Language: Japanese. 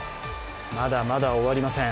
まだまだ終わりません。